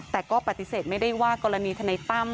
แต่ก็ปฏิเสธไม่ได้ว่ากรณีทนายตั้ม